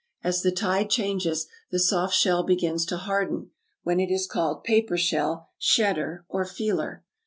As the tide changes, the soft shell begins to harden, when it is called "paper shell," shedder, or feeler.